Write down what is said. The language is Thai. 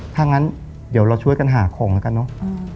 ถ้างั้นเดี๋ยวเราช่วยกันหาของแล้วกันเนอะ